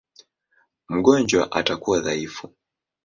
Mgonjwa atakuwa dhaifu.